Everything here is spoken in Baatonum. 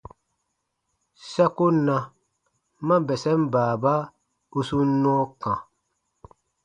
Sa ko na ma bɛsɛn baaba u sun nɔɔ kã.